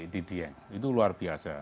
di dieng itu luar biasa